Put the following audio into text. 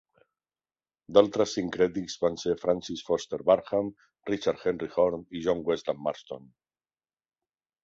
D'altres sincrètics van ser Francis Foster Barham, Richard Henry Horne i John Westland Marston.